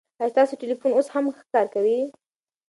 ایا ستاسو ټلېفون اوس هم ښه کار کوي؟